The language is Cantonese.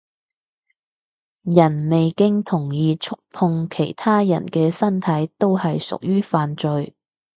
人未經同意觸碰其他人嘅身體都係屬於犯罪